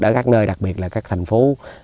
ở các nơi đặc biệt là các thành phố